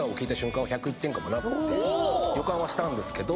予感はしたんですけど。